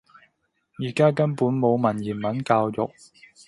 而家根本冇文言文教育